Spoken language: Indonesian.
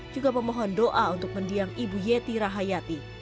juga memohon doa untuk mendiang ibu yeti rahayati